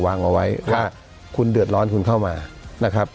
วางเอาไว้ว่าคุณเดือดร้อนคุณเข้ามานะครับ